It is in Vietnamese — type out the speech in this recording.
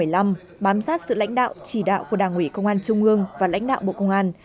năm hai nghìn một mươi năm bám sát sự lãnh đạo chỉ đạo của đảng ủy công an trung ương và lãnh đạo bộ công an